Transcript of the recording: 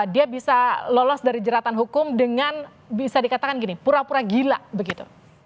dia bisa lolos dari jeratan hukum dengan bisa dikatakan gini pura pura gila begitu